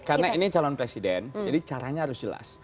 karena ini calon presiden jadi caranya harus jelas